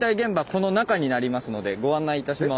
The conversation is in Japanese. この中になりますのでご案内いたします。